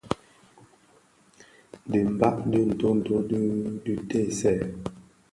Dhibag di ntööto di dhi diteesèn.